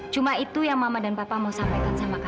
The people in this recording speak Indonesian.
cuma itu yang mama dan papa mau sampaikan sama kakak